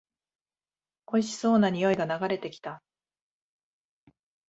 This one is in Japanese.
おいしそうな匂いが流れてきた